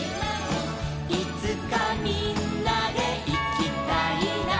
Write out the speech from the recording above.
「いつかみんなでいきたいな」